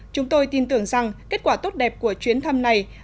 chúng tôi tin tưởng rằng kết quả tốt đẹp của chuyến thăm này là một nơi tốt đẹp